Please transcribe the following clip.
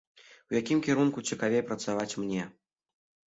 У якім кірунку цікавей працаваць мне?